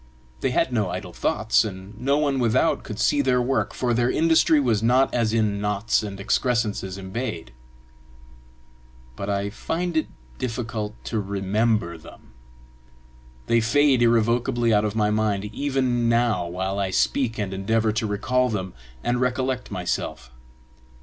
They had no idle thoughts, and no one without could see their work, for their industry was not as in knots and excrescences embayed. But I find it difficult to remember them. They fade irrevocably out of my mind even now while I speak and endeavor to recall them, and recollect myself.